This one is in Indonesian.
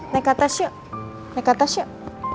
naik ke atas yuk